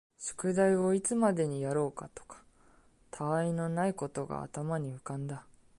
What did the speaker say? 宿題をいつまでにやろうかとか、他愛のないことが頭に浮んだ